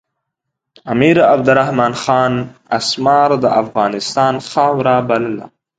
امیر عبدالرحمن خان اسمار د افغانستان خاوره بلله.